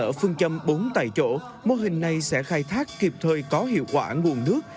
ở phương châm bốn tại chỗ mô hình này sẽ khai thác kịp thời có hiệu quả nguồn nước